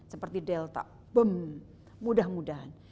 seperti delta bem mudah mudahan